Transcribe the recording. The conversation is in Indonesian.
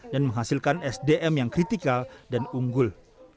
dan menghasilkan sdm yang kritikal dan unggul